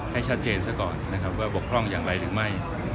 ให้ชัดเจนนะครับว่าปกครองอย่างไรหรือไม่